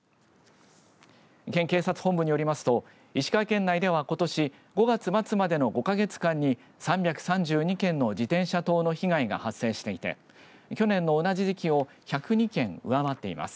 県警察本部によりますと石川県内ではことし５月末までの５か月間に３３２件の自転車盗の被害が発生していて去年の同じ時期を１０２件上回っています。